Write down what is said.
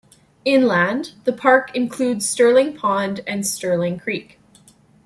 Inland, the park includes Sterling Pond and Sterling Creek.